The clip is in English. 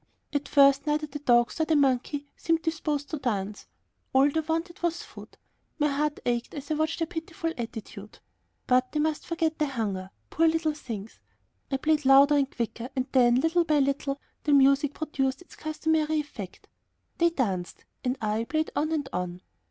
At first neither the dogs nor the monkey seemed disposed to dance. All they wanted was food. My heart ached as I watched their pitiful attitude. But they must forget their hunger, poor little things! I played louder and quicker, then, little by little, the music produced its customary effect. They danced and I played on and on.